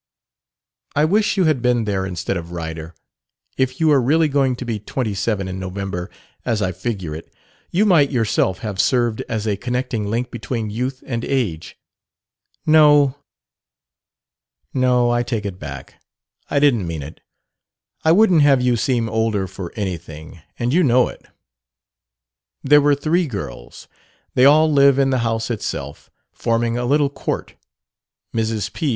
"I wish you had been there instead of Ryder. If you are really going to be twenty seven in November as I figure it you might yourself have served as a connecting link between youth and age. No, no; I take it back; I didn't mean it. I wouldn't have you seem older for anything, and you know it. "There were three girls. They all live in the house itself, forming a little court: Mrs. P.